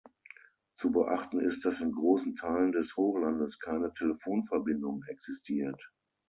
Zu beachten ist, dass in großen Teilen des Hochlandes keine Telefonverbindung existiert.